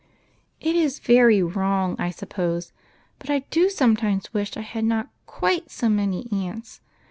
It is very wrong, I suppose, but I do sometimes wish I had not quite so many aunts.